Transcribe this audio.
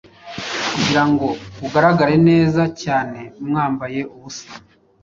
kugirango ugaragare neza cyane mwambaye ubusa